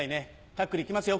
タックルいきますよ